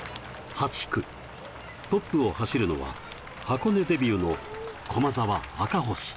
８区、トップを走るのは箱根デビューの駒澤・赤星。